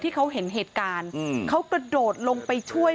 ที่เขาเห็นเหตุการณ์เขากระโดดลงไปช่วย